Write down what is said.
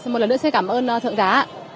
một lần nữa xin cảm ơn thượng giá